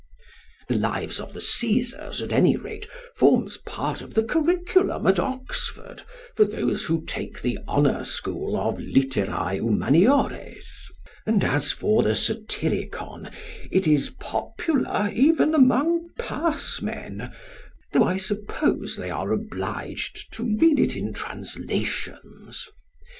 "The Lives of the Cæsars," at any rate, forms part of the curriculum at Oxford for those who take the Honour School of "Literæ Humaniores"; and as for the "Satyricon" it is popular even among pass men, though I suppose they are obliged to read it in translations.